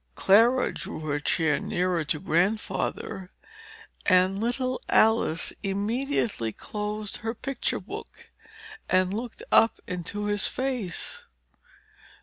Clara drew her chair nearer to Grandfather, and little Alice immediately closed her picture book, and looked up into his face.